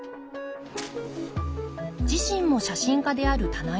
自身も写真家である棚井さん。